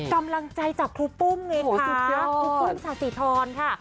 กำลังใจจากครูปุ้มไงสุดยอดครูปุ้มสาธิธรค่ะ